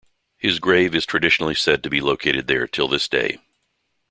His grave is traditionally said to be located there till this day.